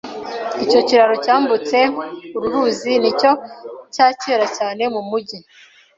Icyo kiraro cyambutse uru ruzi nicyo cyakera cyane mumujyi.